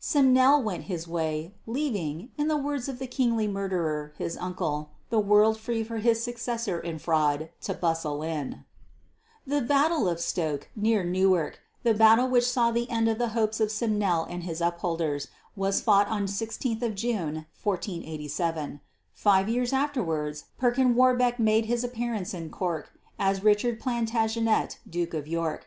Simnel went his way, leaving, in the words of the kingly murderer his uncle, the world free for his successor in fraud "to bustle in." [Illustration: PERKIN WARBECK] The battle of Stoke, near Newark the battle which saw the end of the hopes of Simnel and his upholders was fought on 16 June, 1487. Five years afterwards Perkin Warbeck made his appearance in Cork as Richard Plantagenet Duke of York.